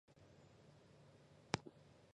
北宋大中祥符五年改名确山县。